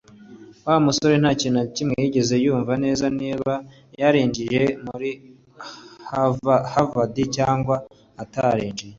Wa musore nta kintu na kimwe yigeze yumva neza niba yarinjiye muri Harvard cyangwa atarinjiye